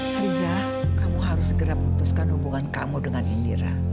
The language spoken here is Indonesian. riza kamu harus segera putuskan hubungan kamu dengan indira